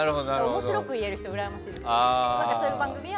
面白く言える人がうらやましい。